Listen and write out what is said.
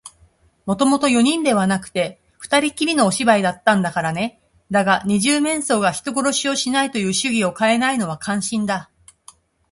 もともと四人ではなくて、ふたりきりのお芝居だったんだからね。だが、二十面相が人殺しをしないという主義をかえないのは感心だ。